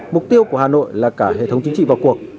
mục tiêu của hà nội là cả hệ thống chính trị vào cuộc